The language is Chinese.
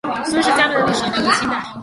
孙氏家庙的历史年代为清代。